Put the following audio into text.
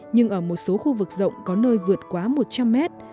nhưng ở một số khu vực rộng có nơi vượt quá một trăm linh mét